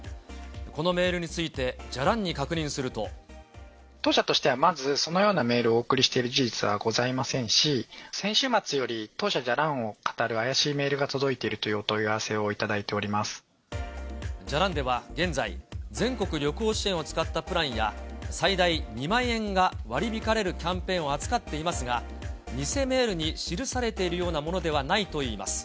このメールについて、当社としてはまず、そのようなメールをお送りしている事実はございませんし、先週末より当社、じゃらんをかたる怪しいメールが届いているというお問い合わせをじゃらんでは現在、全国旅行支援を使ったプランや最大２万円が割り引かれるキャンペーンを扱っていますが、偽メールに記されているようなものではないといいます。